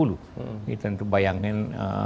dua puluh ini tentu bayangkan